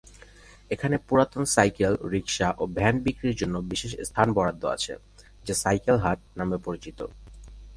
এখানে পুরাতন cycle, rickshaw ও ভ্যান বিক্রির জন্য বিশেষ স্থান বরাদ্দ আছে যা "সাইকেল হাট" নামে পরিচিত।